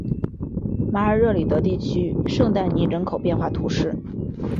马尔热里德地区圣但尼人口变化图示